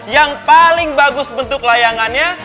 yang paling bagus bentuk layangannya